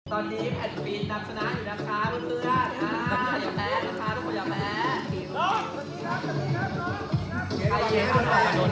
ตอนนี้แฟนฟินนับสนานอยู่นับช้าเพื่อน